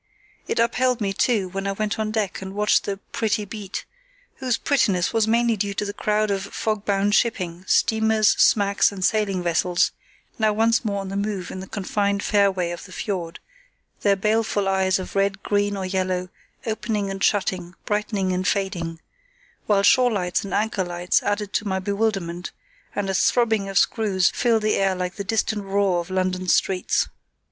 It upheld me, too, when I went on deck and watched the "pretty beat", whose prettiness was mainly due to the crowd of fog bound shipping—steamers, smacks, and sailing vessels—now once more on the move in the confined fairway of the fiord, their baleful eyes of red, green, or yellow, opening and shutting, brightening and fading; while shore lights and anchor lights added to my bewilderment, and a throbbing of screws filled the air like the distant roar of London streets.